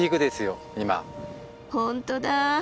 本当だ！